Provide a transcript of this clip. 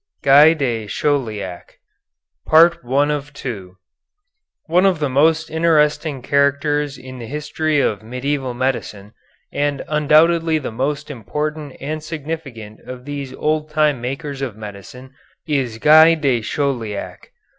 XI GUY DE CHAULIAC One of the most interesting characters in the history of medieval medicine, and undoubtedly the most important and significant of these Old Time Makers of Medicine, is Guy de Chauliac.